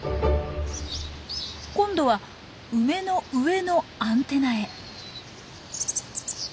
今度は梅の上のアンテナへ。